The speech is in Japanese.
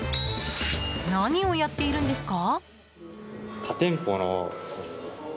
何をやっているんですか？